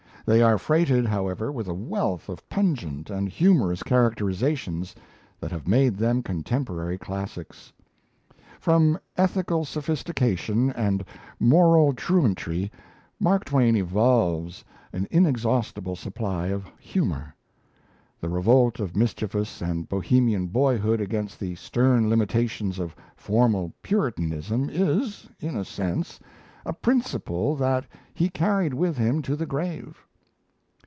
They are freighted, however, with a wealth of pungent and humorous characterization that have made of them contemporary classics. From ethical sophistication and moral truantry Mark Twain evolves an inexhaustible supply of humour. The revolt of mischievous and Bohemian boyhood against the stern limitations of formal Puritanism is, in a sense, a principle that he carried with him to the grave.